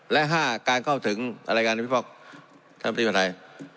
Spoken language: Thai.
และ๕การเข้าถึงอะไรกันพี่พล็อกท่านพระมันไทย